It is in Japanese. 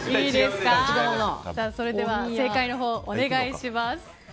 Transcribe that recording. それでは正解のほうをお願いします。